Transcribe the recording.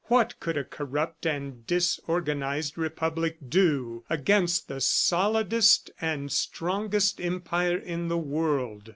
What could a corrupt and disorganized Republic do against the solidest and strongest empire in the world?